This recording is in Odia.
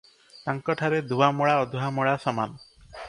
ତାଙ୍କଠାରେ ଧୁଆ ମୂଳା ଅଧୁଆ ମୂଳା ସମାନ ।